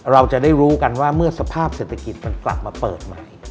เราจะได้รู้กันว่าเมื่อสภาพเศรษฐกิจมันกลับมาเปิดใหม่